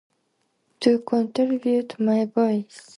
To contribute my voice.